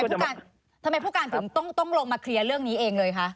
ผู้การทำไมผู้การถึงต้องลงมาเคลียร์เรื่องนี้เองเลยคะ